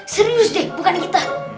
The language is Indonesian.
serius deh bukan kita